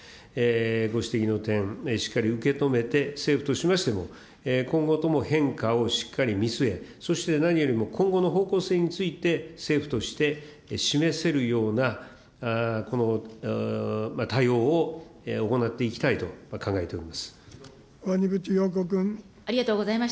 ご指摘の点、しっかり受け止めて、政府としましても、今後とも変化をしっかり見据え、そして何よりも今後の方向性について、政府として示せるような対応を行っていきたいと考えております。